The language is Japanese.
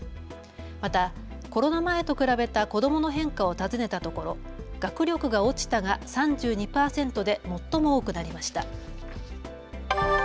またコロナ前と比べた子どもの変化を尋ねたところ学力が落ちたが３２％で最も多くなりました。